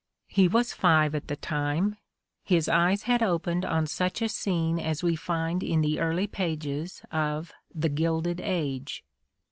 He was five at the time; his eyes had opened on such a scene as we find in the early pages of "The Gilded Age."